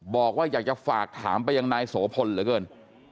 บอกว่าอยากจะฝากถามไปยังนายโสพลเหลือเกิน